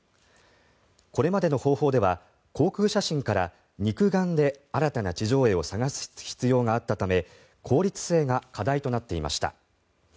これまでの方法では航空写真から肉眼で新たな地上絵を探す必要があったため効率性が課題となっていました。